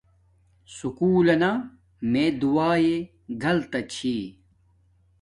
سکُول لنا میے دعاݶ گلتا چھی